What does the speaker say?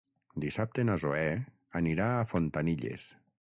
Dissabte na Zoè anirà a Fontanilles.